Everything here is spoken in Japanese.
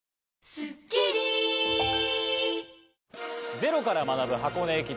ゼロから学ぶ箱根駅伝。